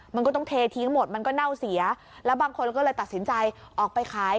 มันก็ต้องเททิ้งหมดมันก็เน่าเสียแล้วบางคนก็เลยตัดสินใจออกไปขาย